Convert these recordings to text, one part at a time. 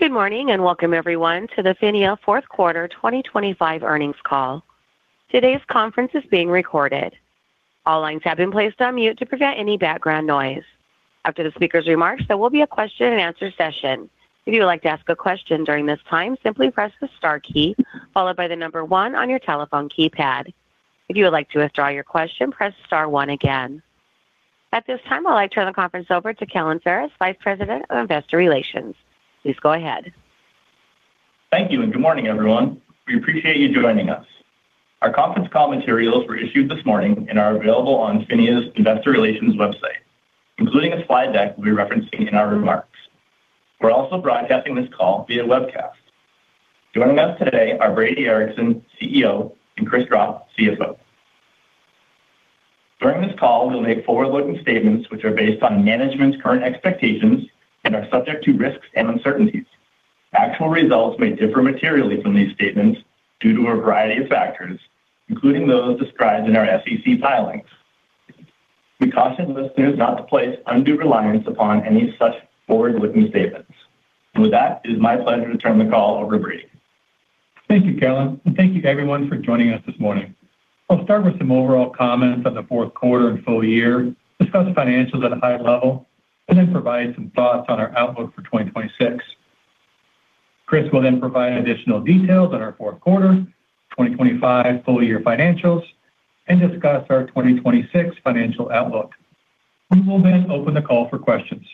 Good morning, and welcome everyone to the PHINIA fourth quarter 2025 earnings call. Today's conference is being recorded. All lines have been placed on mute to prevent any background noise. After the speaker's remarks, there will be a question and answer session. If you would like to ask a question during this time, simply press the star key, followed by the number one on your telephone keypad. If you would like to withdraw your question, press star one again. At this time, I'd like to turn the conference over to Kellen Ferris, Vice President of Investor Relations. Please go ahead. Thank you, and good morning, everyone. We appreciate you joining us. Our conference call materials were issued this morning and are available on PHINIA's Investor Relations website, including a slide deck we'll be referencing in our remarks. We're also broadcasting this call via webcast. Joining us today are Brady Ericson, CEO, and Chris Gropp, CFO. During this call, we'll make forward-looking statements which are based on management's current expectations and are subject to risks and uncertainties. Actual results may differ materially from these statements due to a variety of factors, including those described in our SEC filings. We caution listeners not to place undue reliance upon any such forward-looking statements. With that, it is my pleasure to turn the call over to Brady. Thank you, Kellen, and thank you everyone for joining us this morning. I'll start with some overall comments on the fourth quarter and full year, discuss financials at a high level, and then provide some thoughts on our outlook for 2026. Chris will then provide additional details on our fourth quarter, 2025 full year financials, and discuss our 2026 financial outlook. We will then open the call for questions.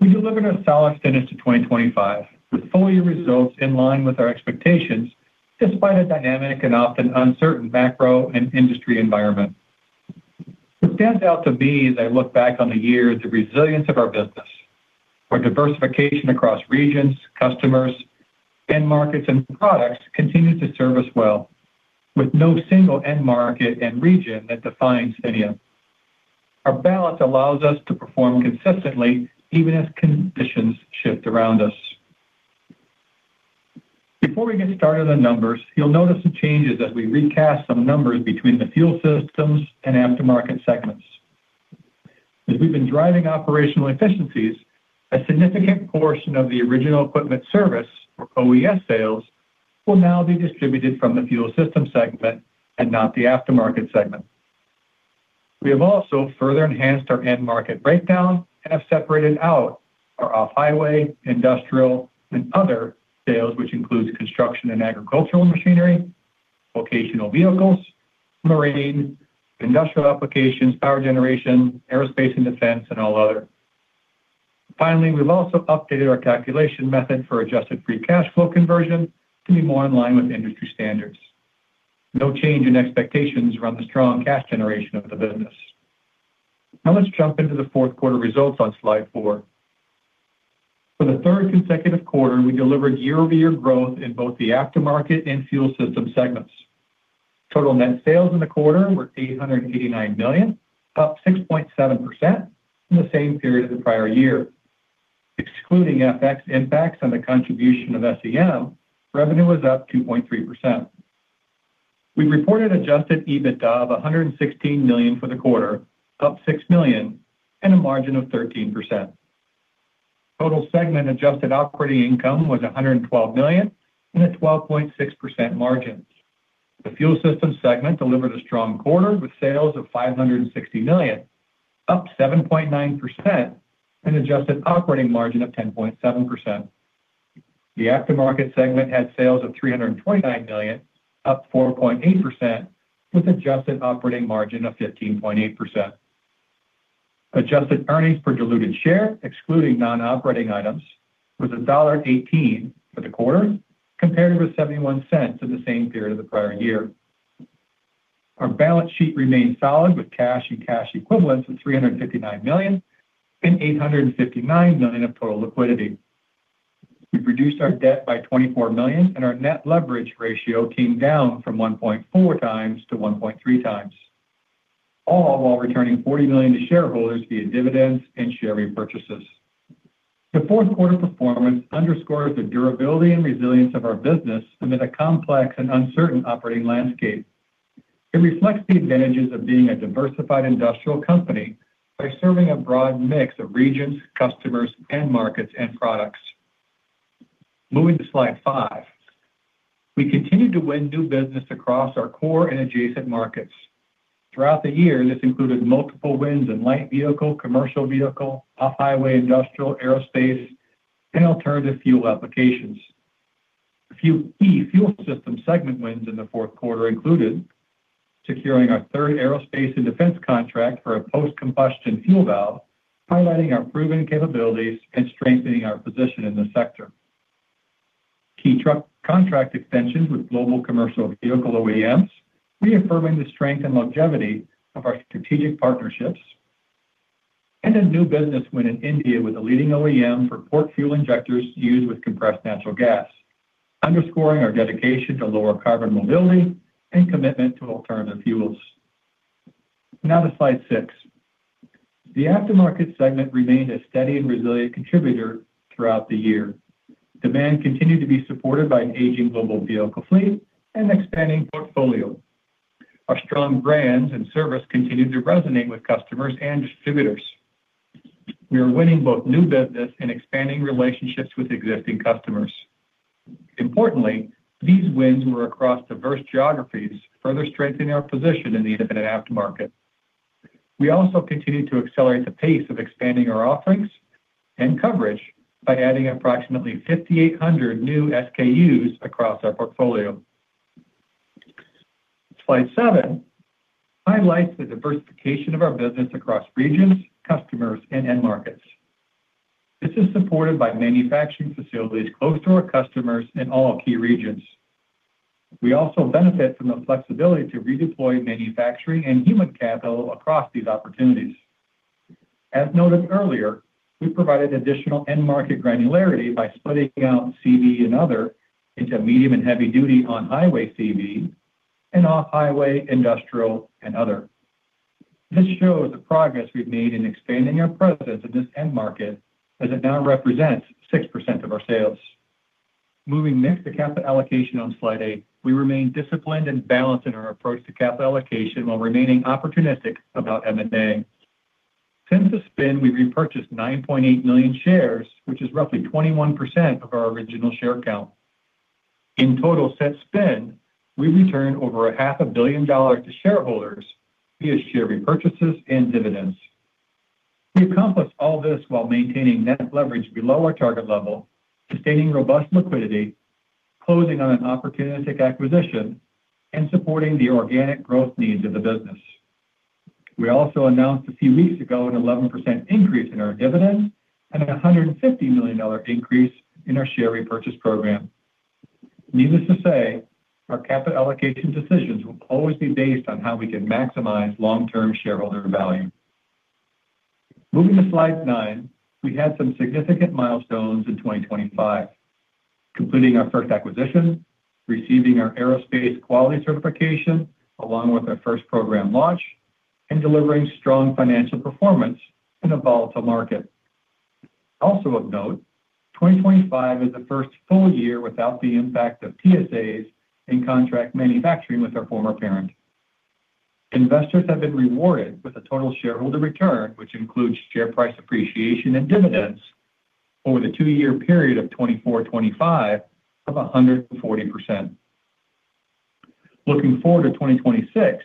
We delivered a solid finish to 2025, with full year results in line with our expectations, despite a dynamic and often uncertain macro and industry environment. What stands out to me as I look back on the year is the resilience of our business, where diversification across regions, customers, end markets, and products continue to serve us well, with no single end market and region that defines PHINIA. Our balance allows us to perform consistently, even as conditions shift around us. Before we get started on numbers, you'll notice some changes as we recast some numbers between the Fuel Systems and Aftermarket segments. As we've been driving operational efficiencies, a significant portion of the original equipment service, or OES sales, will now be distributed from the fuel system segment and not the Aftermarket segment. We have also further enhanced our end market breakdown and have separated out our Off-Highway, Industrial, and Other sales, which includes construction and agricultural machinery, vocational vehicles, marine, industrial applications, power generation, aerospace and defense, and all other. Finally, we've also updated our calculation method for adjusted free cash flow conversion to be more in line with industry standards. No change in expectations around the strong cash generation of the business. Now let's jump into the fourth quarter results on Slide 4. For the third consecutive quarter, we delivered year-over-year growth in both the Aftermarket and fuel system segments. Total net sales in the quarter were $889 million, up 6.7% from the same period of the prior year. Excluding FX impacts on the contribution of SEM, revenue was up 2.3%. We reported Adjusted EBITDA of $116 million for the quarter, up $6 million, and a margin of 13%. Total segment adjusted operating income was $112 million and a 12.6% margin. The fuel system segment delivered a strong quarter, with sales of $560 million, up 7.9% and adjusted operating margin of 10.7%. The Aftermarket segment had sales of $329 million, up 4.8%, with adjusted operating margin of 15.8%. Adjusted earnings per diluted share, excluding non-operating items, was $1.18 for the quarter, compared with $0.71 in the same period of the prior year. Our balance sheet remained solid, with cash and cash equivalents of $359 million and $859 million of total liquidity. We reduced our debt by $24 million, and our net leverage ratio came down from 1.4x to 1.3x, all while returning $40 million to shareholders via dividends and share repurchases. The fourth quarter performance underscores the durability and resilience of our business amid a complex and uncertain operating landscape. It reflects the advantages of being a diversified industrial company by serving a broad mix of regions, customers, end markets, and products. Moving to Slide 5. We continued to win new business across our core and adjacent markets. Throughout the year, this included multiple wins in light vehicle, commercial vehicle, Off-Highway, Industrial, aerospace, and alternative fuel applications. A few key fuel system segment wins in the fourth quarter included: securing our third aerospace and defense contract for a post-combustion fuel valve, highlighting our proven capabilities and strengthening our position in the sector. Key truck contract extensions with global commercial vehicle OEMs, reaffirming the strength and longevity of our strategic partnerships, and a new business win in India with a leading OEM for port fuel injectors used with compressed natural gas, underscoring our dedication to lower carbon mobility and commitment to alternative fuels. Now to Slide 6. The Aftermarket segment remained a steady and resilient contributor throughout the year. Demand continued to be supported by an aging global vehicle fleet and expanding portfolio.... Our strong brands and service continue to resonate with customers and distributors. We are winning both new business and expanding relationships with existing customers. Importantly, these wins were across diverse geographies, further strengthening our position in the independent Aftermarket. We also continued to accelerate the pace of expanding our offerings and coverage by adding approximately 5,800 new SKUs across our portfolio. Slide 7 highlights the diversification of our business across regions, customers, and end markets. This is supported by manufacturing facilities close to our customers in all key regions. We also benefit from the flexibility to redeploy manufacturing and human capital across these opportunities. As noted earlier, we provided additional end market granularity by splitting out CV and other into medium- and heavy-duty on-highway CV and Off-Highway, Industrial, and Other. This shows the progress we've made in expanding our presence in this end market, as it now represents 6% of our sales. Moving next to capital allocation on Slide 8. We remain disciplined and balanced in our approach to capital allocation while remaining opportunistic about M&A. Since the spin, we've repurchased 9.8 million shares, which is roughly 21% of our original share count. In total, since the spin, we returned over $500 million to shareholders via share repurchases and dividends. We accomplished all this while maintaining net leverage below our target level, sustaining robust liquidity, closing on an opportunistic acquisition, and supporting the organic growth needs of the business. We also announced a few weeks ago an 11% increase in our dividend and a $150 million increase in our share repurchase program. Needless to say, our capital allocation decisions will always be based on how we can maximize long-term shareholder value. Moving to Slide 9. We had some significant milestones in 2025, completing our first acquisition, receiving our aerospace quality certification, along with our first program launch, and delivering strong financial performance in a volatile market. Also of note, 2025 is the first full year without the impact of PSAs in contract manufacturing with our former parent. Investors have been rewarded with a total shareholder return, which includes share price appreciation and dividends over the two-year period of 2024-2025 of 140%. Looking forward to 2026,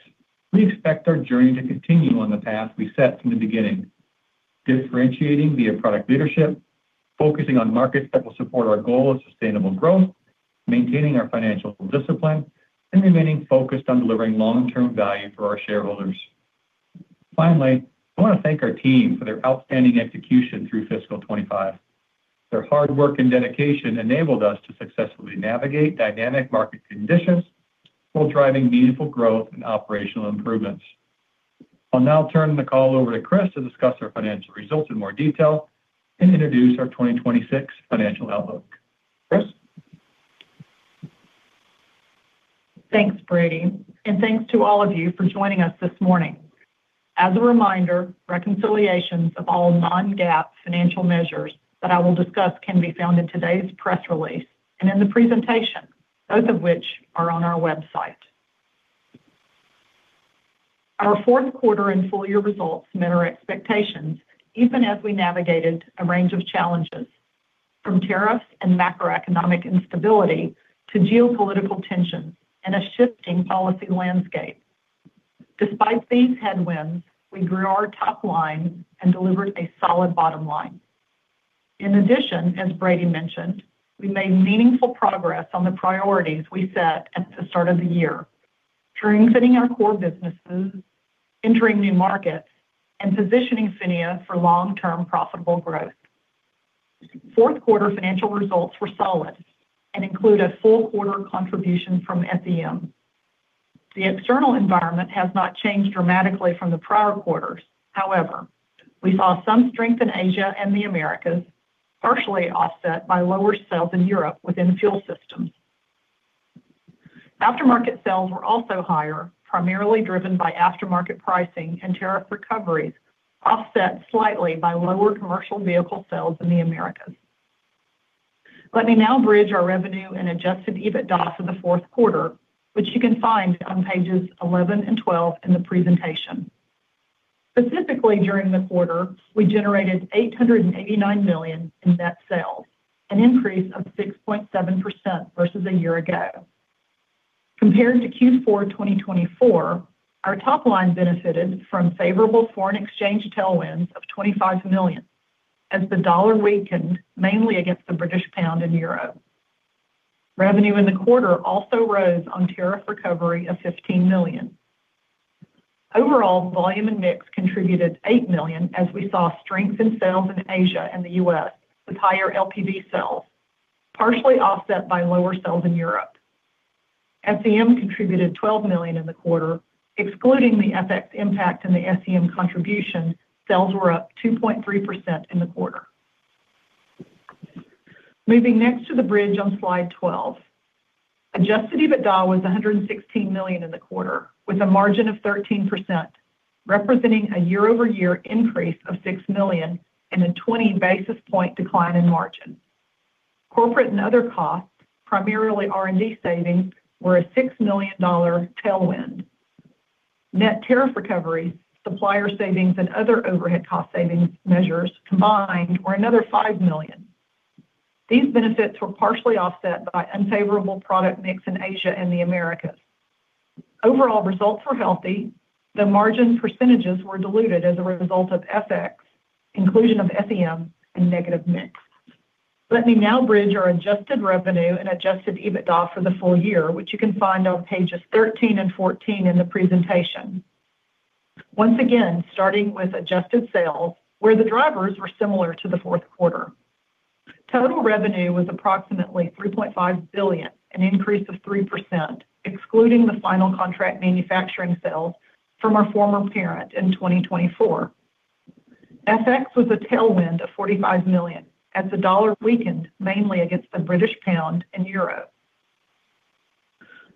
we expect our journey to continue on the path we set from the beginning, differentiating via product leadership, focusing on markets that will support our goal of sustainable growth, maintaining our financial discipline, and remaining focused on delivering long-term value for our shareholders. Finally, I want to thank our team for their outstanding execution through fiscal 2025. Their hard work and dedication enabled us to successfully navigate dynamic market conditions while driving meaningful growth and operational improvements. I'll now turn the call over to Chris to discuss our financial results in more detail and introduce our 2026 financial outlook. Chris? Thanks, Brady, and thanks to all of you for joining us this morning. As a reminder, reconciliations of all non-GAAP financial measures that I will discuss can be found in today's press release and in the presentation, both of which are on our website. Our fourth quarter and full year results met our expectations, even as we navigated a range of challenges, from tariffs and macroeconomic instability to geopolitical tensions and a shifting policy landscape. Despite these headwinds, we grew our top line and delivered a solid bottom line. In addition, as Brady mentioned, we made meaningful progress on the priorities we set at the start of the year, strengthening our core businesses, entering new markets, and positioning PHINIA for long-term profitable growth. Fourth quarter financial results were solid and include a full quarter contribution from SEM. The external environment has not changed dramatically from the prior quarters. However, we saw some strength in Asia and the Americas, partially offset by lower sales in Europe within Fuel Systems. Aftermarket sales were also higher, primarily driven by Aftermarket pricing and tariff recoveries, offset slightly by lower commercial vehicle sales in the Americas. Let me now bridge our revenue and adjusted EBITDA for the fourth quarter, which you can find on pages 11 and 12 in the presentation. Specifically, during the quarter, we generated $889 million in net sales, an increase of 6.7% versus a year ago. Compared to Q4 2024, our top line benefited from favorable foreign exchange tailwinds of $25 million, as the dollar weakened, mainly against the British pound and euro. Revenue in the quarter also rose on tariff recovery of $15 million. Overall, volume and mix contributed $8 million, as we saw strength in sales in Asia and the U.S., with higher LPV sales, partially offset by lower sales in Europe. SEM contributed $12 million in the quarter, excluding the FX impact and the SEM contribution, sales were up 2.3% in the quarter. Moving next to the bridge on Slide 12. Adjusted EBITDA was $116 million in the quarter, with a margin of 13%, representing a year-over-year increase of $6 million and a 20 basis point decline in margin. Corporate and other costs, primarily R&D savings, were a $6 million tailwind. Net tariff recovery, supplier savings, and other overhead cost savings measures combined were another $5 million. These benefits were partially offset by unfavorable product mix in Asia and the Americas. Overall results were healthy. The margin percentages were diluted as a result of FX, inclusion of SEM, and negative mix. Let me now bridge our adjusted revenue and adjusted EBITDA for the full year, which you can find on pages 13 and 14 in the presentation. Once again, starting with adjusted sales, where the drivers were similar to the fourth quarter. Total revenue was approximately $3.5 billion, an increase of 3%, excluding the final contract manufacturing sales from our former parent in 2024. FX was a tailwind of $45 million, as the dollar weakened, mainly against the British pound and euro.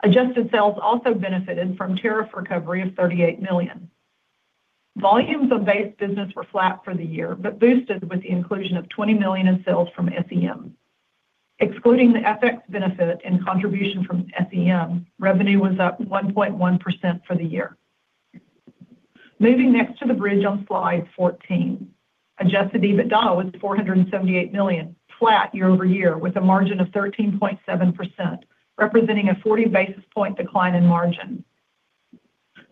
Adjusted sales also benefited from tariff recovery of $38 million. Volumes of base business were flat for the year, but boosted with the inclusion of $20 million in sales from SEM. Excluding the FX benefit and contribution from SEM, revenue was up 1.1% for the year. Moving next to the bridge on Slide 14. Adjusted EBITDA was $478 million, flat year-over-year, with a margin of 13.7%, representing a 40 basis point decline in margin.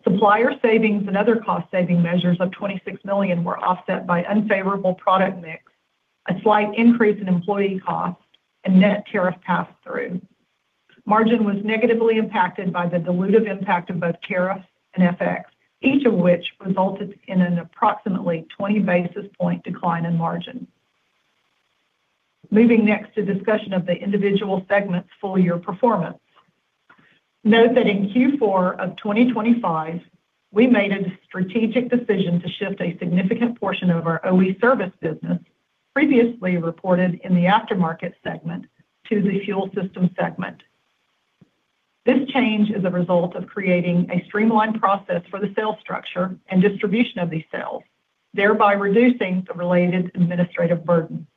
Supplier savings and other cost-saving measures of $26 million were offset by unfavorable product mix, a slight increase in employee costs, and net tariff pass-through. Margin was negatively impacted by the dilutive impact of both tariff and FX, each of which resulted in an approximately 20 basis point decline in margin. Moving next to discussion of the individual segment's full year performance. Note that in Q4 of 2025, we made a strategic decision to shift a significant portion of our OE service business, previously reported in the Aftermarket segment, to the fuel system segment. This change is a result of creating a streamlined process for the sales structure and distribution of these sales, thereby reducing the related administrative burden.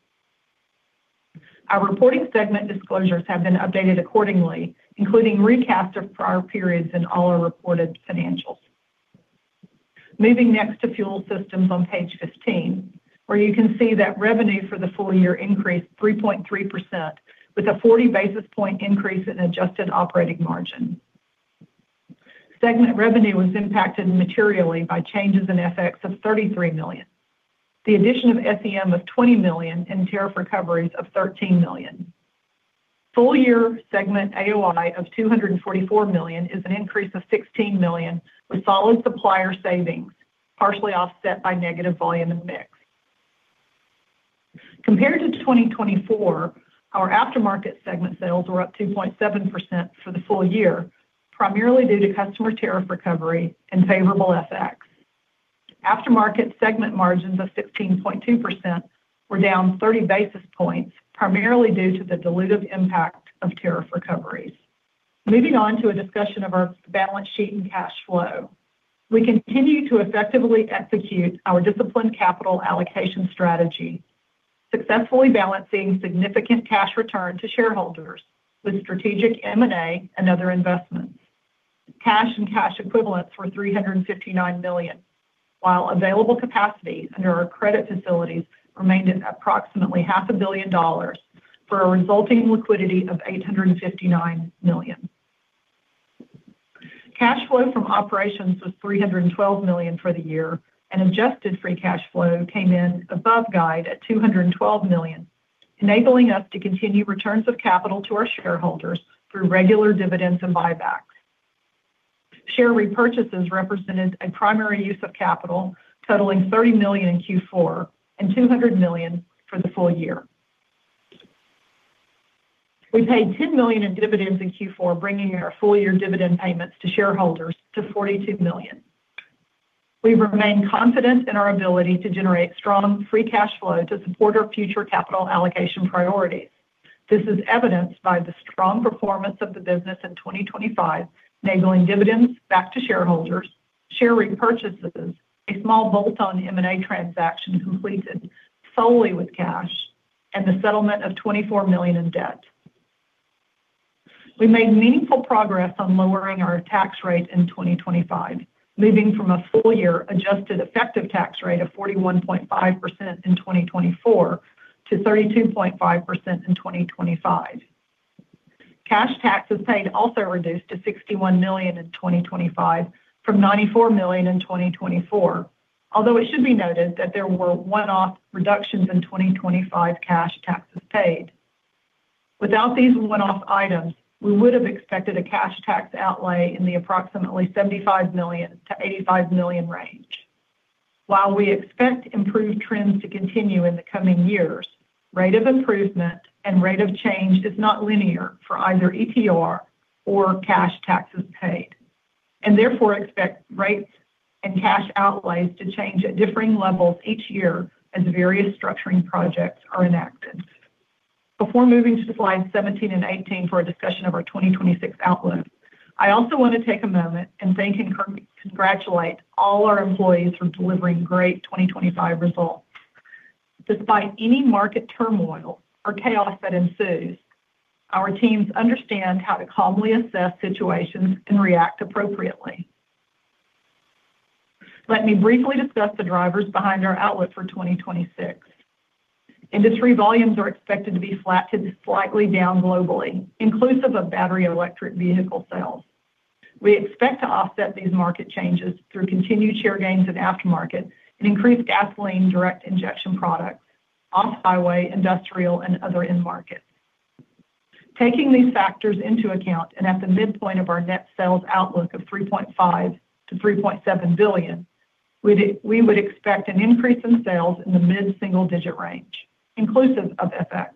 Our reporting segment disclosures have been updated accordingly, including recast of prior periods in all our reported financials. Moving next to Fuel Systems on page 15, where you can see that revenue for the full year increased 3.3% with a 40 basis point increase in adjusted operating margin. Segment revenue was impacted materially by changes in FX of $33 million. The addition of SEM of $20 million and tariff recoveries of $13 million. Full year segment AOI of $244 million is an increase of $16 million, with solid supplier savings, partially offset by negative volume and mix. Compared to 2024, our Aftermarket segment sales were up 2.7% for the full year, primarily due to customer tariff recovery and favorable FX. Aftermarket segment margins of 16.2% were down 30 basis points, primarily due to the dilutive impact of tariff recoveries. Moving on to a discussion of our balance sheet and cash flow. We continue to effectively execute our disciplined capital allocation strategy, successfully balancing significant cash return to shareholders with strategic M&A and other investments. Cash and cash equivalents were $359 million, while available capacity under our credit facilities remained at approximately $500 million, for a resulting liquidity of $859 million. Cash flow from operations was $312 million for the year, and adjusted free cash flow came in above guide at $212 million, enabling us to continue returns of capital to our shareholders through regular dividends and buybacks. Share repurchases represented a primary use of capital, totaling $30 million in Q4 and $200 million for the full year. We paid $10 million in dividends in Q4, bringing our full-year dividend payments to shareholders to $42 million. We remain confident in our ability to generate strong free cash flow to support our future capital allocation priorities. This is evidenced by the strong performance of the business in 2025, enabling dividends back to shareholders, share repurchases, a small bolt-on M&A transaction completed solely with cash, and the settlement of $24 million in debt. We made meaningful progress on lowering our tax rate in 2025, moving from a full-year adjusted effective tax rate of 41.5% in 2024 to 32.5% in 2025. Cash taxes paid also reduced to $61 million in 2025 from $94 million in 2024. Although it should be noted that there were one-off reductions in 2025 cash taxes paid. Without these one-off items, we would have expected a cash tax outlay in the approximately $75 million-$85 million range. While we expect improved trends to continue in the coming years, rate of improvement and rate of change is not linear for either ETR or cash taxes paid, and therefore expect rates and cash outflows to change at differing levels each year as various structuring projects are enacted. Before moving to slides 17 and 18 for a discussion of our 2026 outlook. I also want to take a moment and thank and congratulate all our employees for delivering great 2025 results. Despite any market turmoil or chaos that ensues, our teams understand how to calmly assess situations and react appropriately. Let me briefly discuss the drivers behind our outlook for 2026. Industry volumes are expected to be flat to slightly down globally, inclusive of battery electric vehicle sales. We expect to offset these market changes through continued share gains in Aftermarket and increased gasoline direct injection products, Off-Highway, Industrial, and Other end markets. Taking these factors into account, and at the midpoint of our net sales outlook of $3.5 billion-$3.7 billion, we'd, we would expect an increase in sales in the mid-single digit range, inclusive of FX.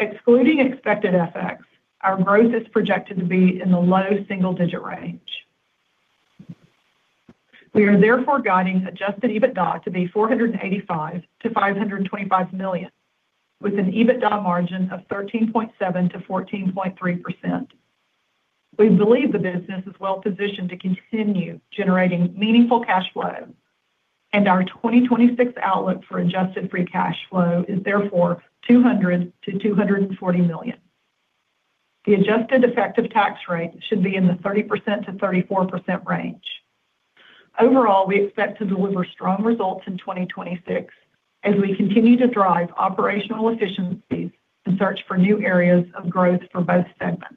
Excluding expected FX, our growth is projected to be in the low single-digit range. We are therefore guiding adjusted EBITDA to be $485 million-$525 million, with an EBITDA margin of 13.7%-14.3%. We believe the business is well positioned to continue generating meaningful cash flow, and our 2026 outlook for adjusted free cash flow is therefore $200 million-$240 million. The adjusted effective tax rate should be in the 30%-34% range. Overall, we expect to deliver strong results in 2026 as we continue to drive operational efficiencies and search for new areas of growth for both segments.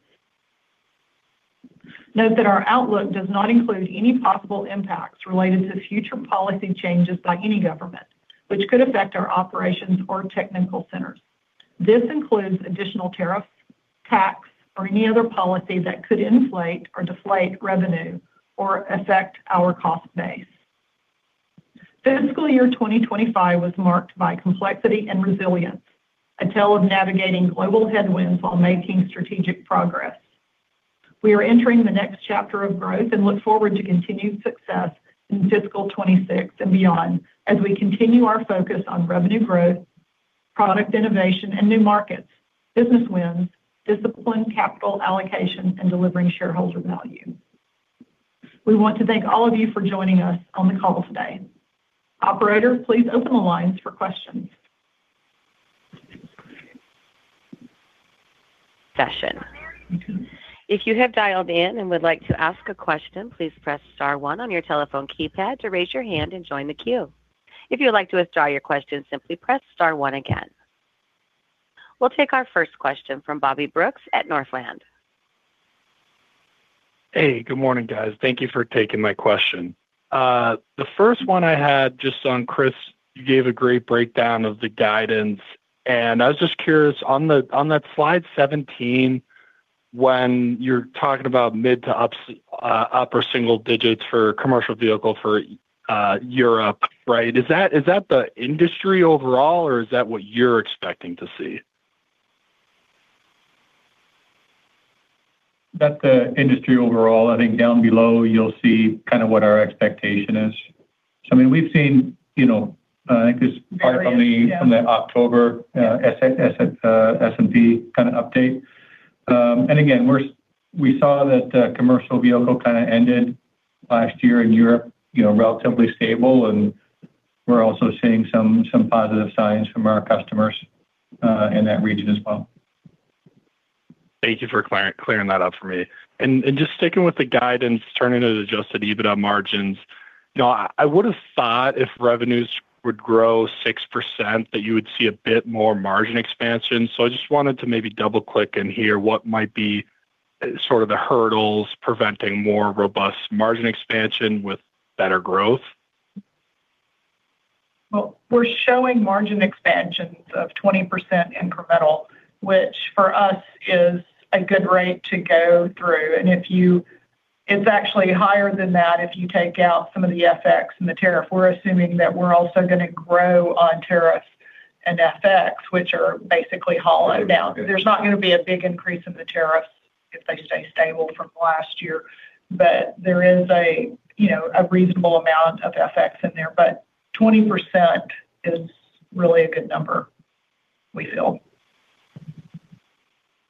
Note that our outlook does not include any possible impacts related to future policy changes by any government, which could affect our operations or technical centers. This includes additional tariffs, tax, or any other policy that could inflate or deflate revenue or affect our cost base. Fiscal year 2025 was marked by complexity and resilience, a tale of navigating global headwinds while making strategic progress. We are entering the next chapter of growth and look forward to continued success in fiscal 2026 and beyond, as we continue our focus on revenue growth, product innovation, and new markets, business wins, disciplined capital allocation, and delivering shareholder value. We want to thank all of you for joining us on the call today. Operator, please open the lines for questions. Session. If you have dialed in and would like to ask a question, please press star one on your telephone keypad to raise your hand and join the queue. If you'd like to withdraw your question, simply press star one again. We'll take our first question from Bobby Brooks at Northland. Hey, good morning, guys. Thank you for taking my question. The first one I had just on Chris, you gave a great breakdown of the guidance, and I was just curious, on that Slide 17, when you're talking about mid to upper single digits for commercial vehicle for Europe, right? Is that the industry overall, or is that what you're expecting to see? That's the industry overall. I think down below, you'll see kind of what our expectation is. So I mean, we've seen, you know, I think it's part from the- Yeah... from the October S&P kind of update. And again, we saw that commercial vehicle kind of ended last year in Europe, you know, relatively stable, and we're also seeing some positive signs from our customers in that region as well. Thank you for clearing that up for me. And just sticking with the guidance, turning to the Adjusted EBITDA margins, you know, I would have thought if revenues would grow 6%, that you would see a bit more margin expansion. So I just wanted to maybe double-click and hear what might be sort of the hurdles preventing more robust margin expansion with better growth. Well, we're showing margin expansions of 20% incremental, which for us is a good rate to go through. And it's actually higher than that if you take out some of the FX and the tariff. We're assuming that we're also gonna grow on tariffs and FX, which are basically hollow now. There's not going to be a big increase in the tariffs if they stay stable from last year, but there is a, you know, a reasonable amount of FX in there. But 20% is really a good number, we feel.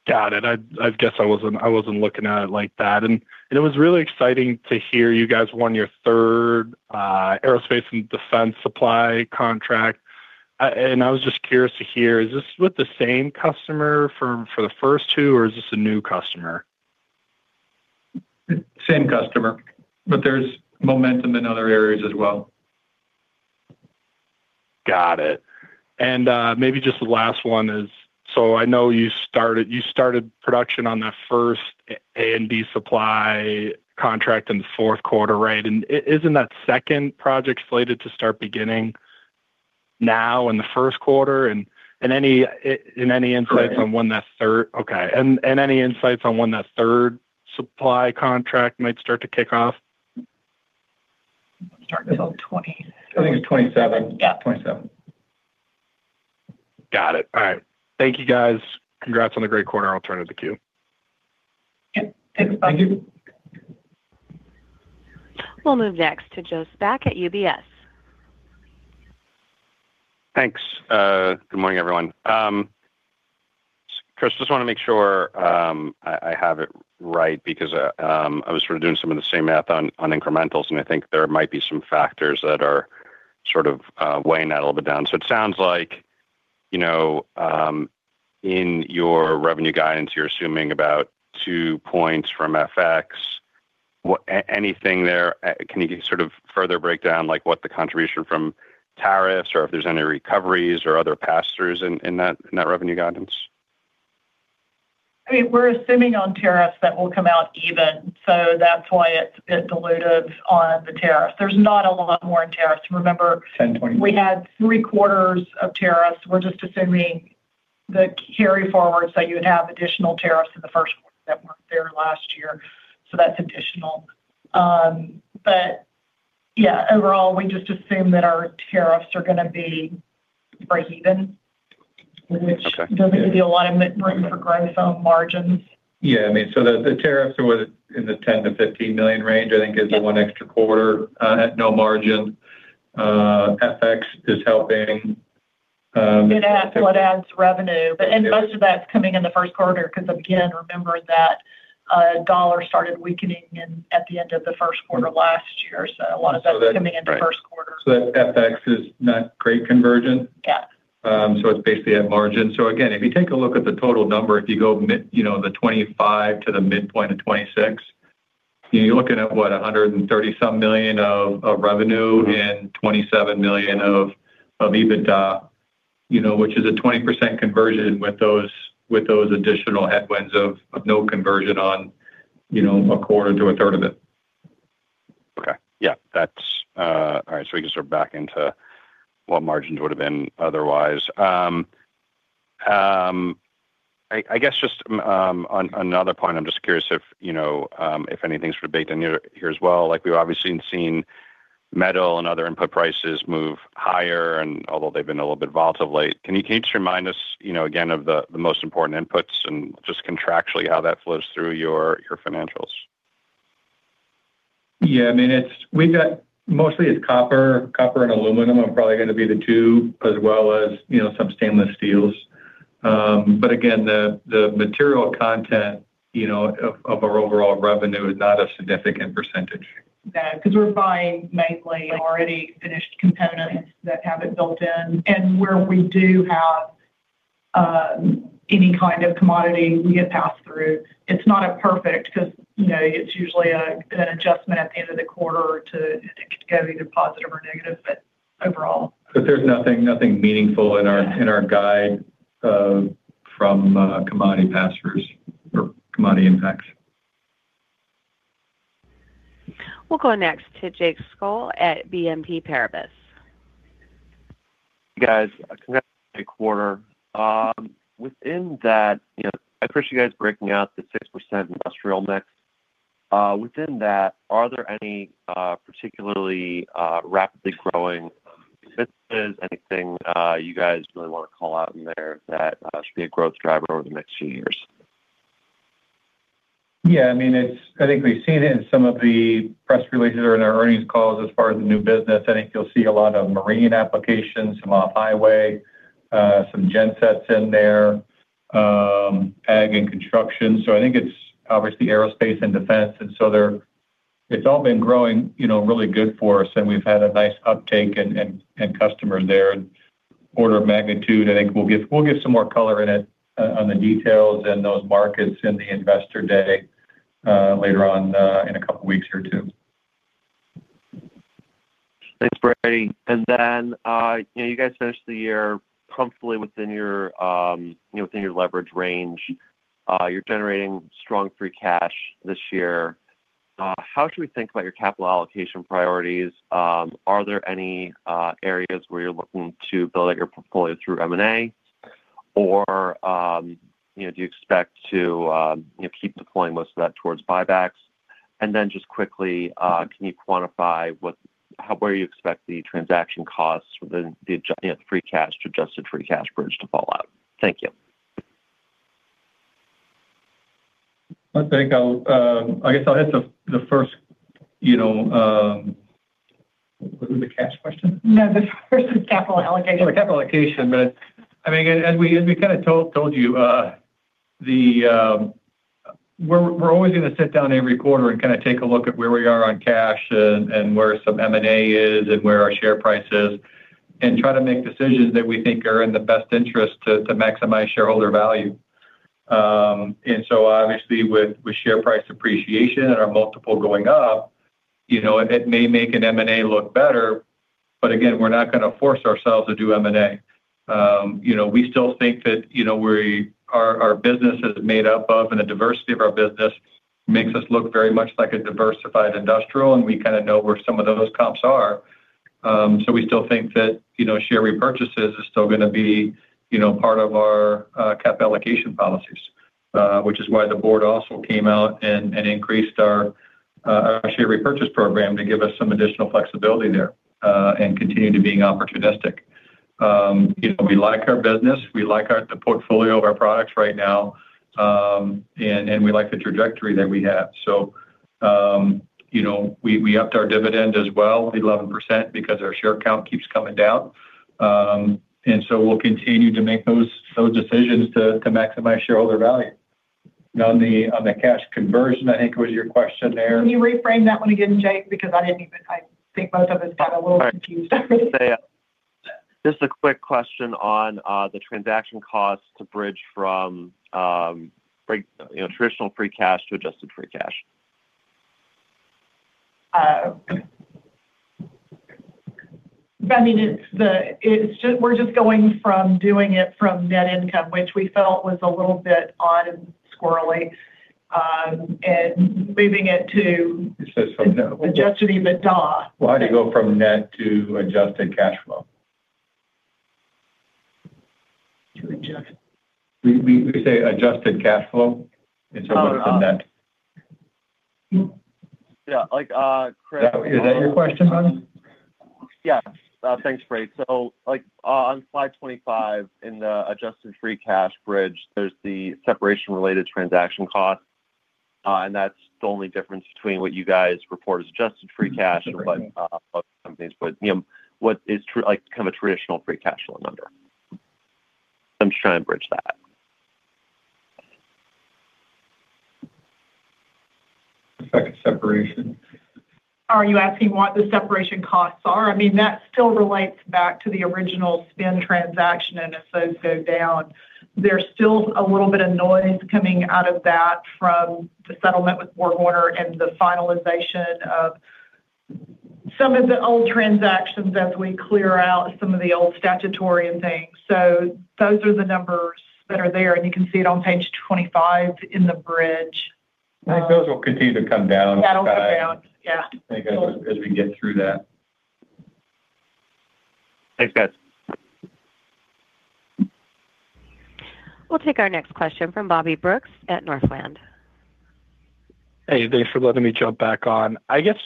Got it. I guess I wasn't looking at it like that. And it was really exciting to hear you guys won your third aerospace and defense supply contract. And I was just curious to hear, is this with the same customer from—for the first two, or is this a new customer? Same customer, but there's momentum in other areas as well. Got it. And, maybe just the last one is... So I know you started production on that first A&D supply contract in the fourth quarter, right? And isn't that second project slated to start beginning now in the first quarter? And any insights- Correct... on when that third. Okay. And, and any insights on when that third supply contract might start to kick off? Starting in 20... I think it's 27. Yeah, twenty-seven. Got it. All right. Thank you, guys. Congrats on the great quarter. I'll turn it to the queue. Yeah. Thank you. We'll move next to Joe Spak at UBS.... Thanks. Good morning, everyone. Chris, just want to make sure, I have it right because I was sort of doing some of the same math on incrementals, and I think there might be some factors that are sort of weighing that a little bit down. So it sounds like, you know, in your revenue guidance, you're assuming about 2 points from FX. Anything there, can you sort of further break down, like, what the contribution from tariffs or if there's any recoveries or other pass-throughs in that revenue guidance? I mean, we're assuming on tariffs that we'll come out even, so at that point, it, it diluted on the tariffs. There's not a lot more in tariffs. Remember- Ten twenty- We had three quarters of tariffs. We're just assuming the carry forwards, that you would have additional tariffs in the first quarter that weren't there last year, so that's additional. But yeah, overall, we just assume that our tariffs are going to be breakeven, which doesn't give you a lot of room for growth on margins. Yeah, I mean, so the tariffs are within the $10 million-$15 million range, I think is- Yep... the one extra quarter at no margin. FX is helping It adds, so it adds revenue. Yeah. And most of that's coming in the first quarter, because again, remember that the U.S. dollar started weakening in at the end of the first quarter last year, so a lot of that is coming in the first quarter. That FX is not great conversion? Yeah. So it's basically at margin. So again, if you take a look at the total number, if you go mid, you know, 2025 to the midpoint of 2026, you're looking at, what? $130-some million of, of revenue and $27 million of, of EBITDA, you know, which is a 20% conversion with those, with those additional headwinds of, of no conversion on, you know, a quarter to a third of it. Okay. Yeah, that's... All right, so we can sort of back into what margins would've been otherwise. I guess just, on another point, I'm just curious if, you know, if anything's sort of baked in here as well. Like, we've obviously seen metal and other input prices move higher and although they've been a little bit volatile lately, can you just remind us, you know, again, of the most important inputs and just contractually how that flows through your financials? Yeah, I mean, we've got mostly it's copper. Copper and aluminum are probably going to be the two, as well as, you know, some stainless steels. But again, the material content, you know, of our overall revenue is not a significant percentage. No, because we're buying mainly already finished components that have it built in, and where we do have, any kind of commodity, we get passed through. It's not a perfect... because, you know, it's usually an adjustment at the end of the quarter to, it could go either positive or negative, but overall. But there's nothing, nothing meaningful in our- Yeah... in our guide, from, commodity pass-throughs or commodity impacts. We'll go next to Jake Scholl at BNP Paribas. Guys, a quarter, within that, you know, I appreciate you guys breaking out the 6% industrial mix. Within that, are there any particularly rapidly growing businesses? Anything you guys really want to call out in there that should be a growth driver over the next few years? Yeah, I mean, it's. I think we've seen it in some of the press releases or in our earnings calls as far as the new business. I think you'll see a lot of marine applications, some off highway, some gensets in there, ag and construction. So I think it's obviously aerospace and defense, and so they're. It's all been growing, you know, really good for us, and we've had a nice uptake and, and, and customers there. And order of magnitude, I think we'll give, we'll give some more color in it, on the details and those markets in the Investor Day, later on, in a couple of weeks here, too. Thanks, Brady. Then, you know, you guys finished the year comfortably within your, you know, within your leverage range. You're generating strong free cash this year. How should we think about your capital allocation priorities? Are there any areas where you're looking to build out your portfolio through M&A? Or, you know, do you expect to, you know, keep deploying most of that towards buybacks? And then just quickly, can you quantify what—how, where you expect the transaction costs for the, the adj, you know, free cash or adjusted free cash bridge to fall out? Thank you. I think I'll, I guess I'll hit the first, you know, was it the cash question? No, the first is capital allocation. Capital allocation, but I mean, as we kind of told you, the... we're always going to sit down every quarter and kind of take a look at where we are on cash and where some M&A is, and where our share price is, and try to make decisions that we think are in the best interest to maximize shareholder value. And so obviously, with share price appreciation and our multiple going up, you know, it may make an M&A look better, but again, we're not going to force ourselves to do M&A. You know, we still think that, you know, we-- our business is made up of, and the diversity of our business makes us look very much like a diversified industrial, and we kind of know where some of those comps are. So we still think that, you know, share repurchases is still going to be, you know, part of our capital allocation policies. Which is why the board also came out and increased our share repurchase program to give us some additional flexibility there, and continue to being opportunistic. You know, we like our business, we like the portfolio of our products right now, and we like the trajectory that we have. So you know, we upped our dividend as well, 11%, because our share count keeps coming down. And so we'll continue to make those decisions to maximize shareholder value. Now, on the cash conversion, I think was your question there? Can you reframe that one again, Jake? Because I didn't even-- I think both of us got a little confused. Just a quick question on the transaction costs to bridge from, you know, traditional free cash to adjusted free cash. I mean, it's just, we're just going from doing it from net income, which we felt was a little bit odd and squirrely, and moving it to- It says something. Adjusted EBITDA. Why do you go from net to adjusted cash flow? To adjusted- We say adjusted cash flow instead of the net. Mm-hmm. Yeah, like, Chris- Is that your question, Ryan? Yeah. Thanks, Ray. So like, on Slide 25 in the adjusted free cash bridge, there's the separation related transaction cost, and that's the only difference between what you guys report as adjusted free cash, but some things. But, you know, what is like, kind of a traditional free cash flow number? I'm just trying to bridge that. Effect of separation. Are you asking what the separation costs are? I mean, that still relates back to the original spin transaction, and as those go down, there's still a little bit of noise coming out of that from the settlement with BorgWarner and the finalization of some of the old transactions as we clear out some of the old statutory and things. So those are the numbers that are there, and you can see it on page 25 in the bridge. Those will continue to come down. That'll come down, yeah. As we get through that. Thanks, guys. We'll take our next question from Bobby Brooks at Northland. Hey, thanks for letting me jump back on. I guess,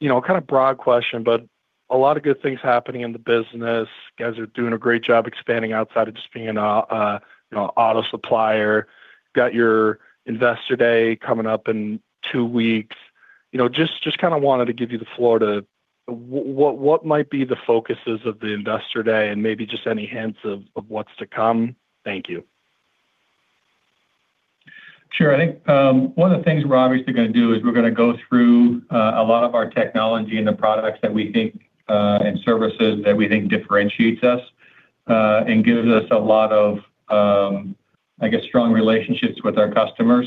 you know, kind of broad question, but a lot of good things happening in the business. You guys are doing a great job expanding outside of just being a, a, you know, auto supplier. Got your investor day coming up in two weeks. You know, just, just kind of wanted to give you the floor to what, what might be the focuses of the investor day and maybe just any hints of, of what's to come? Thank you. Sure. I think, one of the things we're obviously going to do is we're gonna go through, a lot of our technology and the products that we think, and services that we think differentiates us, and gives us a lot of, I guess, strong relationships with our customers.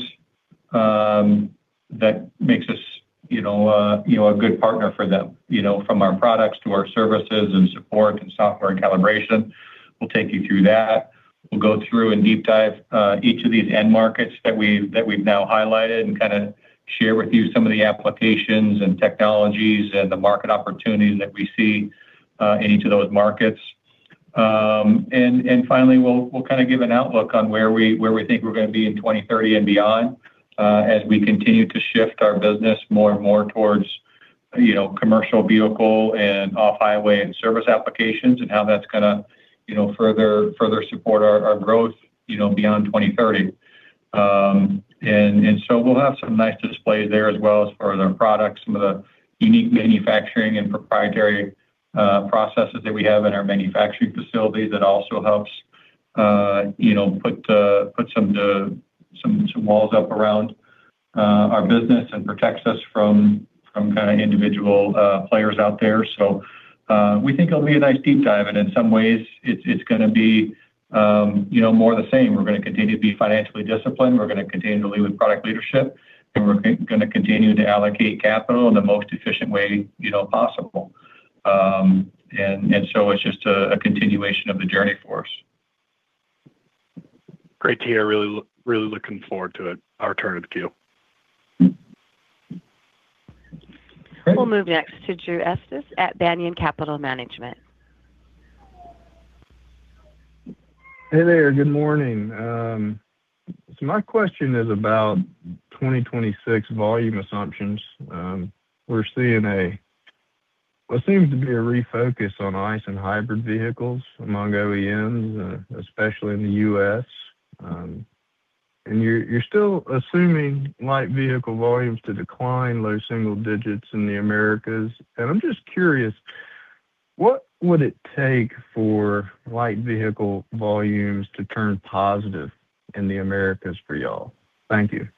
That makes us, you know, you know, a good partner for them, you know, from our products to our services and support and software and calibration. We'll take you through that. We'll go through and deep dive, each of these end markets that we, that we've now highlighted and kind of share with you some of the applications and technologies and the market opportunities that we see, in each of those markets. And finally, we'll kind of give an outlook on where we think we're going to be in 2030 and beyond, as we continue to shift our business more and more towards, you know, commercial vehicle and Off-Highway and service applications, and how that's gonna, you know, further support our growth, you know, beyond 2030. So we'll have some nice displays there, as well as for other products, some of the unique manufacturing and proprietary processes that we have in our manufacturing facilities. That also helps, you know, put some walls up around our business and protects us from kind of individual players out there. So, we think it'll be a nice deep dive, and in some ways it's gonna be, you know, more the same. We're gonna continue to be financially disciplined. We're gonna continue to lead with product leadership, and we're gonna continue to allocate capital in the most efficient way, you know, possible. And so it's just a continuation of the journey for us. Great to hear. Really looking forward to it. Our turn to you. We'll move next to Drew Estes at Banyan Capital Management. Hey there, good morning. So my question is about 2026 volume assumptions. We're seeing what seems to be a refocus on ICE and hybrid vehicles among OEMs, especially in the U.S. And you're still assuming light vehicle volumes to decline low single digits in the Americas. And I'm just curious, what would it take for light vehicle volumes to turn positive in the Americas for y'all? Thank you.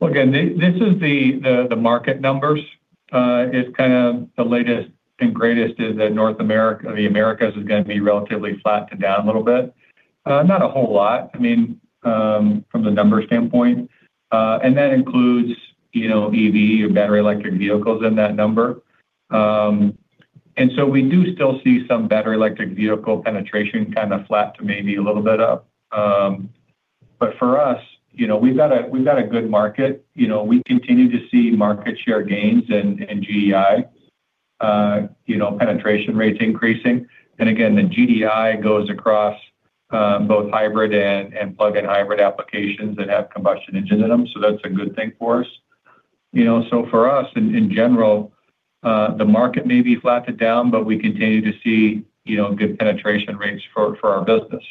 Well, again, this is the market numbers. It's kind of the latest and greatest is that North America—the Americas, is gonna be relatively flat to down a little bit. Not a whole lot, I mean, from the number standpoint. And that includes, you know, EV or battery electric vehicles in that number. And so we do still see some battery electric vehicle penetration kind of flat to maybe a little bit up. But for us, you know, we've got a good market. You know, we continue to see market share gains and GDI, you know, penetration rates increasing. And again, the GDI goes across both hybrid and plug-in hybrid applications that have combustion engines in them, so that's a good thing for us.... You know, so for us, in general, the market may be flat to down, but we continue to see, you know, good penetration rates for our business.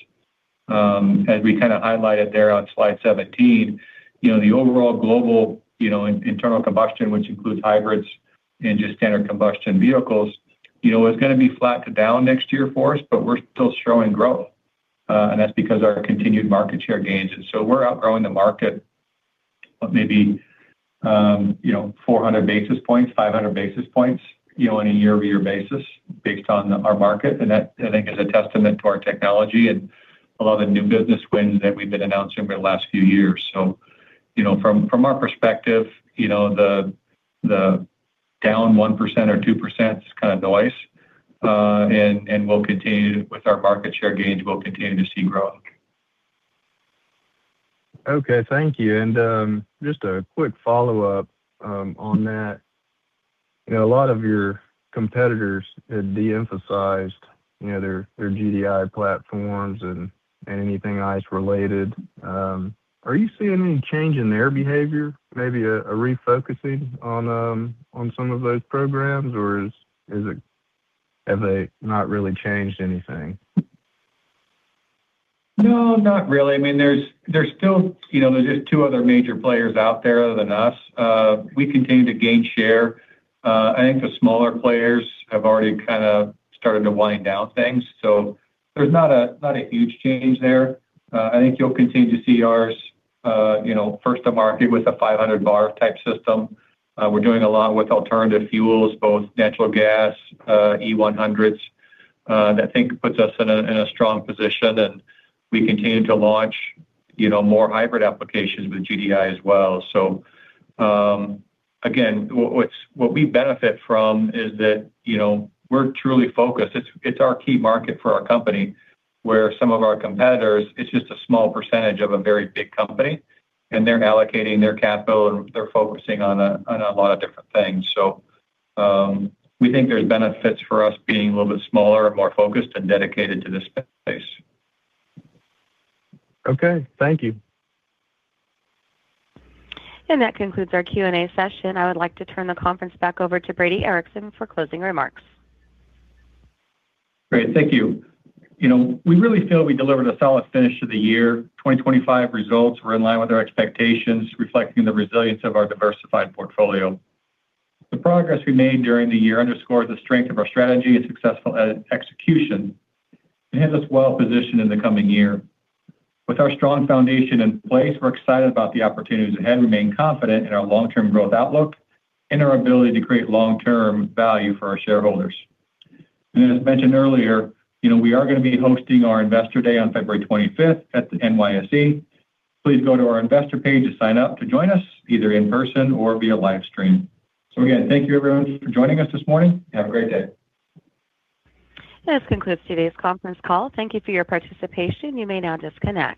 As we kind of highlighted there on Slide 17, you know, the overall global internal combustion, which includes hybrids and just standard combustion vehicles, you know, is gonna be flat to down next year for us, but we're still showing growth. And that's because our continued market share gains, and so we're outgrowing the market, you know, 400 basis points, 500 basis points, you know, on a year-over-year basis based on our market. And that, I think, is a testament to our technology and a lot of the new business wins that we've been announcing over the last few years. So, you know, from our perspective, you know, the down 1% or 2% is kind of noise. We'll continue with our market share gains. We'll continue to see growth. Okay, thank you. And, just a quick follow-up on that. You know, a lot of your competitors have de-emphasized, you know, their GDI platforms and anything ICE related. Are you seeing any change in their behavior, maybe a refocusing on some of those programs, or is it, have they not really changed anything? No, not really. I mean, there's still... You know, there's just two other major players out there other than us. We continue to gain share. I think the smaller players have already kind of started to wind down things, so there's not a huge change there. I think you'll continue to see ours, you know, first to market with a 500-bar type system. We're doing a lot with alternative fuels, both natural gas, E-100s. That, I think, puts us in a strong position, and we continue to launch, you know, more hybrid applications with GDI as well. So, again, what we benefit from is that, you know, we're truly focused. It's our key market for our company, where some of our competitors, it's just a small percentage of a very big company, and they're allocating their capital, and they're focusing on a lot of different things. So, we think there's benefits for us being a little bit smaller and more focused and dedicated to this space. Okay, thank you. That concludes our Q&A session. I would like to turn the conference back over to Brady Ericson for closing remarks. Great, thank you. You know, we really feel we delivered a solid finish to the year. 2025 results were in line with our expectations, reflecting the resilience of our diversified portfolio. The progress we made during the year underscores the strength of our strategy and successful execution, and it has us well positioned in the coming year. With our strong foundation in place, we're excited about the opportunities ahead and remain confident in our long-term growth outlook and our ability to create long-term value for our shareholders. And as mentioned earlier, you know, we are gonna be hosting our Investor Day on February 25th at the NYSE. Please go to our investor page to sign up to join us, either in person or via live stream. So again, thank you everyone for joining us this morning. Have a great day. This concludes today's conference call. Thank you for your participation. You may now disconnect.